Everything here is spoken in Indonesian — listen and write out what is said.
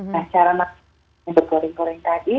nah cara makanan goreng goreng tadi